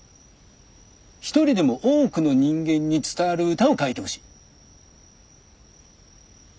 一人でも多くの人間に伝わる歌を書いてほしい。